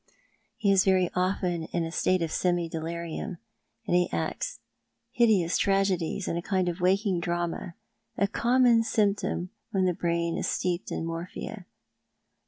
He is very often in a state of semi delirium, and acts hideous tragedies in a kind of waking dream — a common symptom when the brain is steeped in morphia."